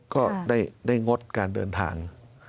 ก็ได้งดการเดินทาง